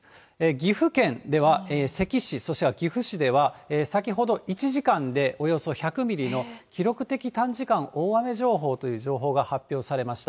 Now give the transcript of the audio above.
岐阜県では関市、そして岐阜市では先ほど１時間でおよそ１００ミリの記録的短時間大雨情報という情報が発表されました。